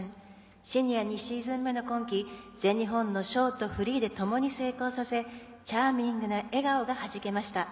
シニア２シーズン目の今季全日本のショート、フリーで共に成功させチャーミングな笑顔がはじけました。